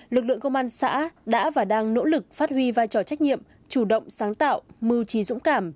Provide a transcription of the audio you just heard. lực lượng công an xã đã và đang nỗ lực phát huy vai trò trách nhiệm chủ động sáng tạo mưu trí dũng cảm